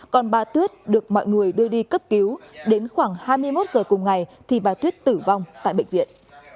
còn bà tuyết được mọi người đưa đi cấp cứu đến khoảng hai mươi một giờ cùng ngày thì bà tuyết tử vong tại bệnh viện